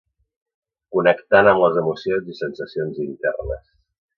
connectant amb les emocions i sensacions internes